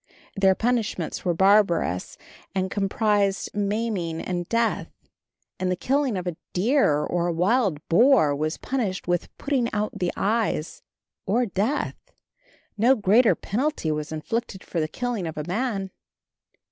Their punishments were barbarous, and comprised maiming and death, and the killing of a deer or a wild boar was punished with putting out the eyes or death. No greater penalty was inflicted for the killing of a man.